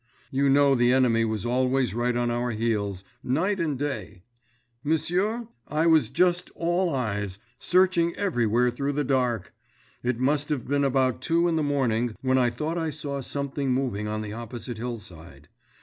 You know the enemy was always right on our heels, night and day. M'sieu, I was just all eyes, searching everywhere through the dark. It must have been about two in the morning, when I thought I saw something moving on the opposite hillside.